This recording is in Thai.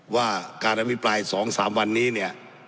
ว่าการอภิปราย๒๓วันนี้เนี่ย